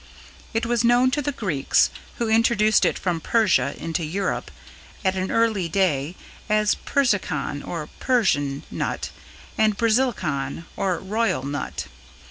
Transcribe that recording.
It was known to the Greeks, who introduced it from Persia into Europe at an early day, as "Persicon" or "Persian" nut and "Basilicon" or "Royal" nut.